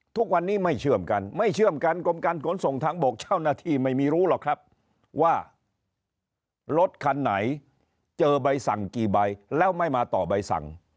ทุกวันนี้ไม่เชื่อมกันไม่เชื่อมกันกรมการขนส่งทางบกเจ้าหน้าที่ไม่รู้หรอกครับว่ารถคันไหนเจอใบสั่งกี่ใบแล้วไม่มาต่อใบสั่ง